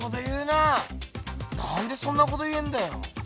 なんでそんなこと言えんだよ。